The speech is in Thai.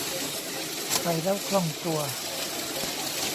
ใส่แล้วคล่องตัว